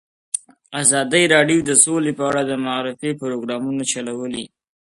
ازادي راډیو د سوله په اړه د معارفې پروګرامونه چلولي.